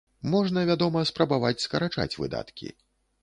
Можна, вядома, спрабаваць скарачаць выдаткі.